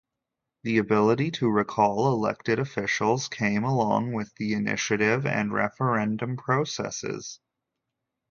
The ability to recall elected officials came along with the initiative and referendum processes.